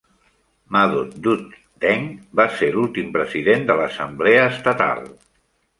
Madot Dut Deng va ser l'últim president de l'Assemblea Estatal.